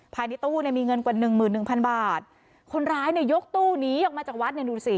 ภายในตู้เนี่ยมีเงินกว่าหนึ่งหมื่นหนึ่งพันบาทคนร้ายเนี่ยยกตู้หนีออกมาจากวัดเนี่ยดูสิ